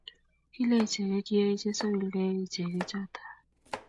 kile icheke kiyei chesawil koyai icheke choto